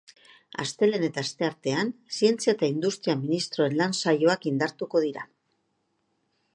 Astelehen eta asteartean zientzia eta industria ministroen lan saioak indartuko dira.